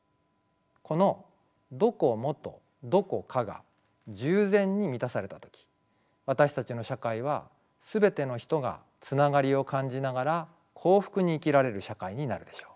この「どこも」と「どこか」が十全に満たされた時私たちの社会は全ての人がつながりを感じながら幸福に生きられる社会になるでしょう。